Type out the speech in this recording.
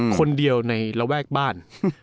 คนเดียวในระแวกบ้าน